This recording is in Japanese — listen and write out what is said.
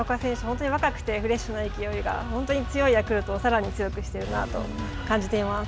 本当に若くてフレッシュな勢いが本当に強いヤクルトをさらに強くしているなと感じています。